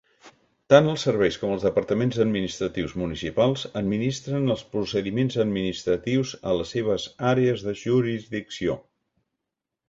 Tant els serveis com els departaments administratius municipals administren els procediments administratius a les seves àrees de jurisdicció.